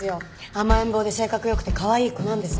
甘えん坊で性格良くてかわいい子なんです。